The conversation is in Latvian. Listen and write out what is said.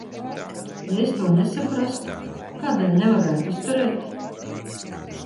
Ja es to nesaprastu, kādēļ nevarētu izturēt?